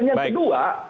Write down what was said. dan yang kedua